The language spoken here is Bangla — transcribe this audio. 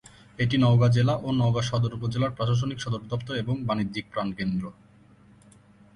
এটি নওগাঁ জেলা ও নওগাঁ সদর উপজেলার প্রশাসনিক সদরদপ্তর এবং বাণিজ্যিক প্রাণকেন্দ্র।